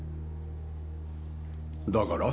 だから？